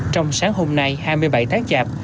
trong sáng hôm nay hai mươi bảy tháng chạp